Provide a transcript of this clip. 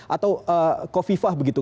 atau kofifah begitu